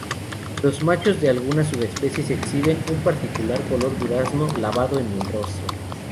Los machos de algunas subespecies exhiben un particular color durazno lavado en el rostro.